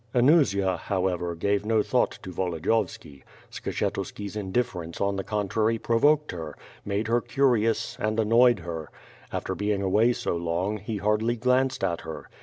Anusia, however, gave no thought to Volodiyovski. Skshet uski^s indifference on the contrary provoked her, made her curious, and annoyed her. After being away so long, he hardly glanced at her.